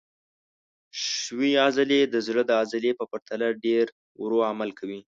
ښویې عضلې د زړه د عضلې په پرتله ډېر ورو عمل کوي.